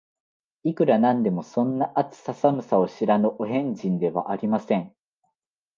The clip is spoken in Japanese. いくら何でも、そんな、暑さ寒さを知らぬお変人ではありません